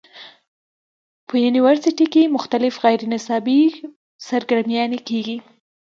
پۀ يونيورسټۍ کښې مختلف غېر نصابي سرګرميانې کيږي